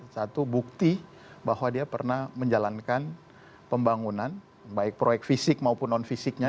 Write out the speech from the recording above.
satu bukti bahwa dia pernah menjalankan pembangunan baik proyek fisik maupun non fisiknya